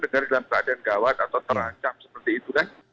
negara dalam keadaan gawat atau terancam seperti itu kan